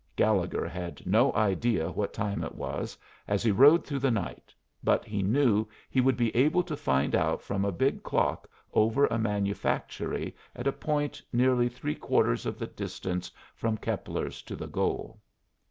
Gallegher had no idea what time it was as he rode through the night, but he knew he would be able to find out from a big clock over a manufactory at a point nearly three quarters of the distance from Keppler's to the goal.